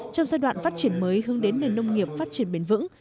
trong giai đoạn phát triển mới hướng đến nền nông nghiệp phát triển bền vững